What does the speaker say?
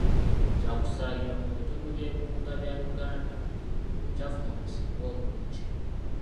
Kyakusaalirwa mu bitundu by'ebibuga bya Uganda obukyafu mwe businga obungi